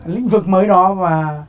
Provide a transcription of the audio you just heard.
lĩnh vực mới đó và